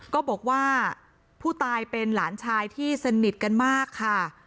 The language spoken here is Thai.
ก็บอกว่าผู้ตายเป็นหลานชายที่สนิทกันมากค่ะ